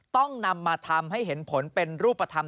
ต้องนำมาทำให้เห็นผลเป็นรูปธรรม